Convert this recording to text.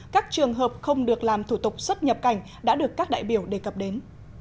các trường hợp không được làm thủ tục xuất nhập cảnh đã được các đại biểu đề cập đến